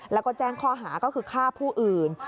แล้วก็แจ้งข้อหาก็คือฆ่าผู้อื่น